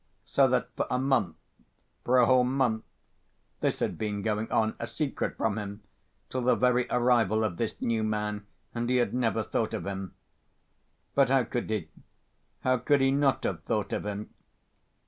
So that for a month, for a whole month, this had been going on, a secret from him, till the very arrival of this new man, and he had never thought of him! But how could he, how could he not have thought of him?